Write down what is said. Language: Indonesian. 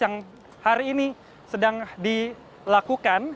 yang hari ini sedang dilakukan